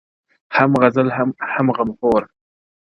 • هم غل هم غمخور -